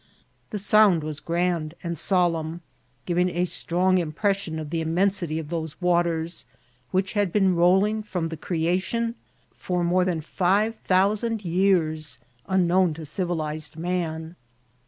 The sound was grand and solemn, giving a strong impression of the inunensity of those waters, which had been rolling from the creation, for more than five thousand years, imknown to civilized man.